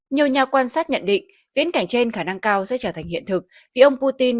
nhiều nhà quan sát nhận định viễn cảnh trên khả năng cao sẽ trở thành hiện thực vì ông putin